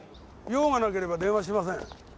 用がなければ電話しません。